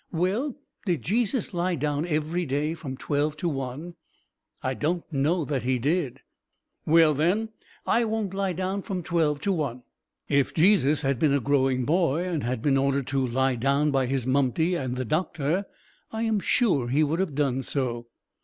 "Well, did Jesus lie down every day from twelve to one?" "I don't know that He did." "Well, then, I won't lie down from twelve to one." "If Jesus had been a growing boy and had been ordered to lie down by His Mumty and the doctor, I am sure He would have done so."